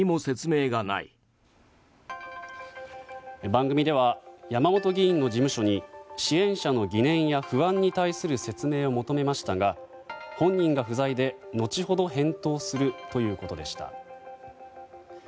番組では山本議員の事務所に支援者の疑念や不安に対する説明を求めましたが本人が不在で後ほど返答するということでした。